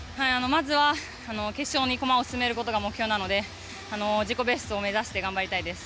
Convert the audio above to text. まずは決勝に駒を進めることが目標なので自己ベストを目指して頑張りたいです。